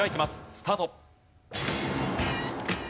スタート。